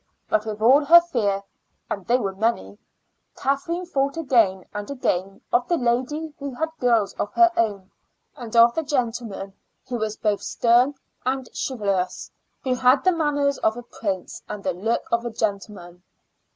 But with all her fears and they were many Kathleen thought again and again of the lady who had girls of her own, and of the gentleman who was both stern and chivalrous, who had the manners of a prince and the look of a gentleman.